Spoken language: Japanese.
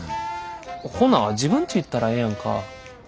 ほな自分んち行ったらええやんか？